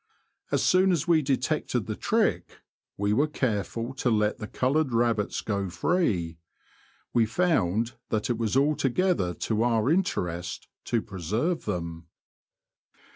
As soon as we detected the tricky we were careful to let the coloured rabbits go free. We found that it was altogether to our interest to preserve them.